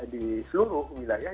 di seluruh wilayah